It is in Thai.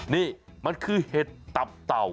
นี่มันคือเห็ดตับเต่า